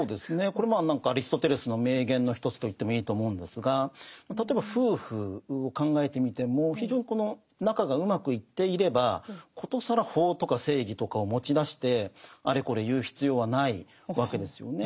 これもアリストテレスの名言の一つと言ってもいいと思うんですが例えば夫婦を考えてみても非常にこの仲がうまくいっていれば殊更法とか正義とかを持ち出してあれこれ言う必要はないわけですよね。